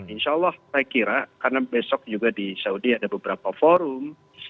insya allah saya kira karena besok juga di saudi ada beberapa forum